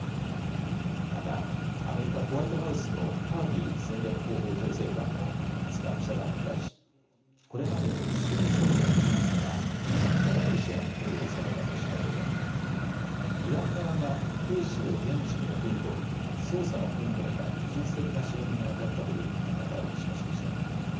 またアメリカ・ホワイトハウスのカービー戦略広報調整官も２０日、記者団に対しこれまでに数十の無人機がイランからロシアに供与されたとしたうえでイラン側が兵士を現地に送り込み操作の訓練や技術的な支援にあたったという見方を示しました。